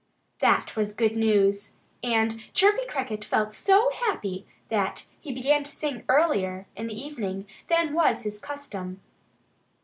That was good news. And Chirpy Cricket felt so happy that he began to sing earlier in the evening than was his custom.